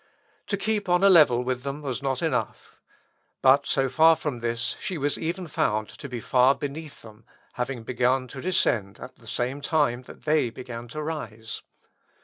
To keep on a level with them was not enough. But so far from this, she was even found to be far beneath them, having begun to descend at the same time that they began to rise.